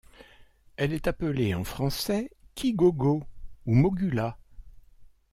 Elle est appelée en français Kigogo ou Mogulla.